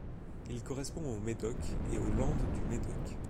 Il correspond au Médoc et aux Landes du Médoc.